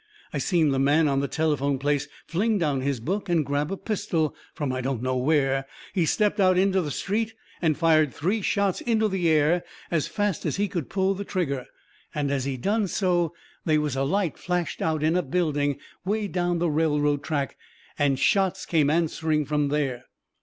I seen the man in the telephone place fling down his book and grab a pistol from I don't know where. He stepped out into the street and fired three shots into the air as fast as he could pull the trigger. And as he done so they was a light flashed out in a building way down the railroad track, and shots come answering from there.